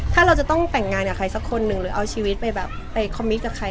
ถ้าเราจะต้องแต่งงานกับใครสักคนหนึ่งหรือเอาชีวิตไปแบบไปคอมมิตกับใคร